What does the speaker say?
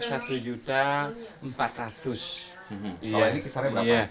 kalau ini kisarnya berapa